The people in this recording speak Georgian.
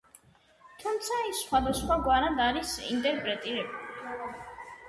თუმცა ის სხვადასხვაგვარად არის ინტერპრეტირებული.